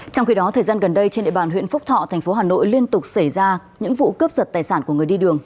trong khi đó thời gian gần đây trên địa bàn huyện phúc thọ thành phố hà nội liên tục xảy ra những vụ cướp giật tài sản của người đi đường